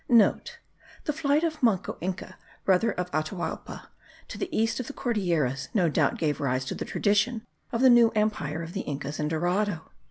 *(* The flight of Manco Inca, brother of Atahualpa, to the east of the Cordilleras, no doubt gave rise to the tradition of the new empire of the Incas in Dorado.